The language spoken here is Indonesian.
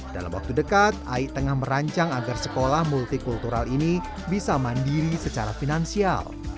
dalam waktu dekat ai tengah merancang agar sekolah multikultural ini bisa mandiri secara finansial